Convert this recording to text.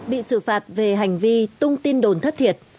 bị xử phạt về hành vi tung tin đồn thất thiệt